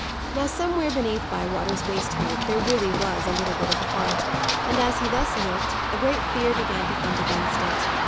Now somewhere beneath Bywater's waistcoat, there really was a little bit of heart; and, as he thus looked, a great fear began to thump against it.